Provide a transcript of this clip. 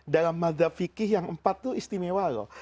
dalam madhab fikih yang empat itu istimewa loh